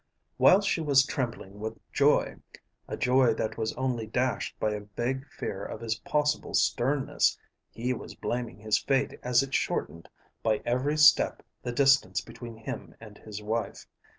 Whilst she was trembling with joy, a joy that was only dashed by a vague fear of his possible sternness, he was blaming his fate as it shortened by every step the distance between him and his wife.